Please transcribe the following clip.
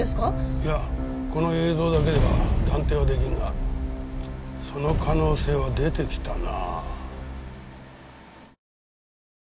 いやこの映像だけでは断定は出来んがその可能性は出てきたな。